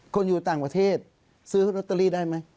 คนอยู่ต่างประเทศซื้อลอตเตอรี่ได้ไหม